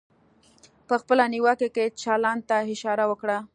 په خپله نیوکه کې چلند ته اشاره وکړئ.